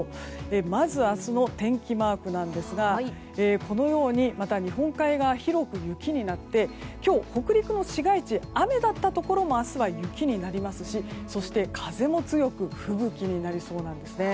まず明日の天気マークですがこのようにまた日本海側広く雪になって今日、北陸の市街地で雨だったところも明日は雪になりますしそして風も強く吹雪になりそうなんです。